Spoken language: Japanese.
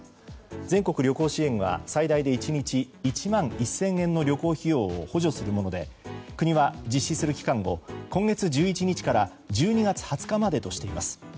全国旅行支援は最大で１日１万１０００円の旅行費用を補助するもので国は実施する期間を今月１１日から１２月２０日までとしています。